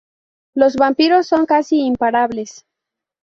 Los vampiros son casi imparables.